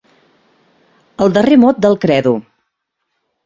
El darrer mot del credo.